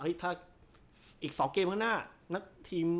อีก๒เกมข้างหน้า